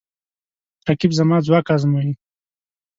رقیب زما ځواک ازموي